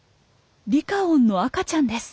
リカオンの赤ちゃんです。